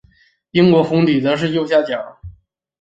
英国红底则在右下角。